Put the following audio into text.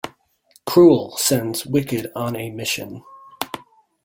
Kruel sends Wikked on a mission.